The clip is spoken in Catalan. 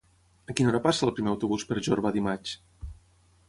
A quina hora passa el primer autobús per Jorba dimarts?